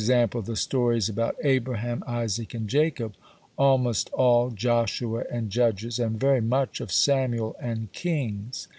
_ the stories about Abraham, Isaac and Jacob, almost all Joshua and Judges, and very much of Samuel and Kings).